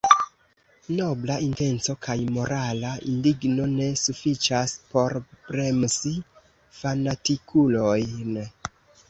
Nobla intenco kaj morala indigno ne sufiĉas por bremsi fanatikulojn.